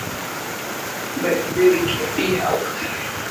But it really can't be helped.